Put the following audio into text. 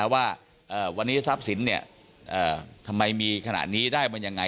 ว่าวันนี้ทรัพย์สินทำไมมีขนาดนี้ได้มายังไง